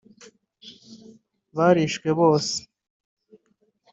barishwe bose